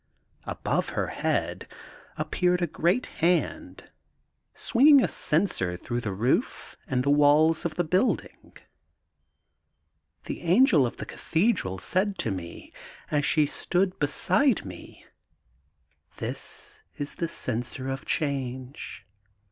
Above her head appeared a great hand, swinging a censer through the roof and THE GOLDEN BOOK OF SPRINGFIELD 811 walls of the building. The Angel of the Cathe dral said to me, as she stood beside me: — 'This is the Censer of Change.